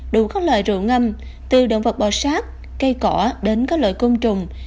đủ các loại rượu ngâm từ động vật bò sát cây cỏ đến các loại công trùng